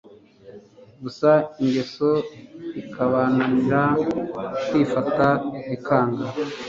gusa ingeso ikabananira kwifata bikanga .